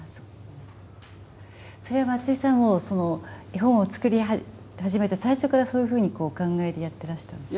それは松居さんはもう絵本を作り始めた最初からそういうふうにお考えでやってらしたんですか？